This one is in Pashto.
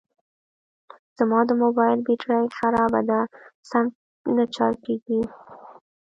زما د موبایل بېټري خرابه ده سم نه چارج کېږي